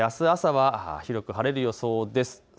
あす朝は広く晴れる予想です。